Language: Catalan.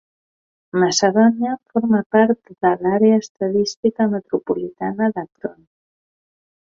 Macedonia forma part de l'Àrea Estadística Metropolitana d'Akron.